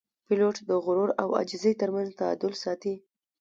پیلوټ د غرور او عاجزۍ ترمنځ تعادل ساتي.